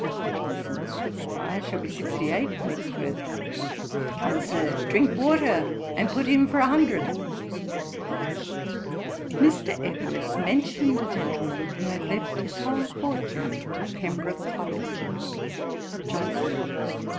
JOHNSON. 'I shall be sixty eight next birth day. Come, Sir, drink water, and put in for a hundred.' Mr. Edwards mentioned a gentleman who had left his whole fortune to Pembroke College. JOHNSON.